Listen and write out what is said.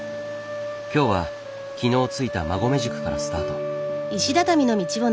今日は昨日着いた馬籠宿からスタート。